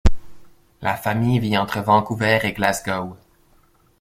La famille vit entre Vancouver et Glasgow.